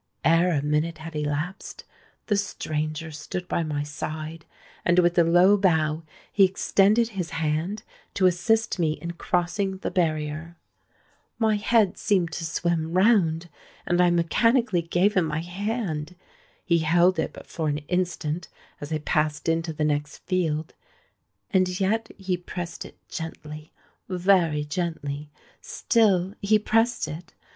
Ere a minute had elapsed, the stranger stood by my side; and with a low bow he extended his hand to assist me in crossing the barrier. My head seemed to swim round; and I mechanically gave him my hand. He held it but for an instant as I passed into the next field;—and yet he pressed it gently—very gently;—still he pressed it!